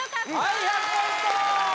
はい１００ポイント